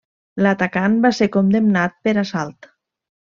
L'atacant va ser condemnat per assalt.